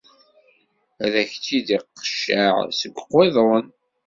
Ad k-id-iqecceɛ seg uqiḍun.